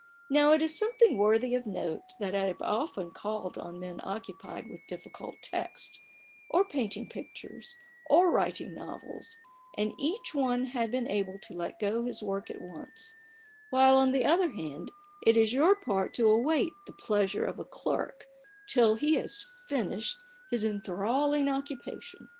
Now it is something worthy of note, that I have often called on men occupied with difficult texts; or painting pictures; or writing novels; and each one had been able to let go his work at once : while, on the other hand, it is your part to await the pleasure of a clerk, till he has finished his enthralling occupa tion.